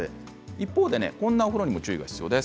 一方で、こんなお風呂には注意が必要です。